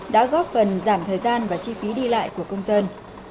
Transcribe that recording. đã góp phần giảm thời gian và chi phí đi lại của công dân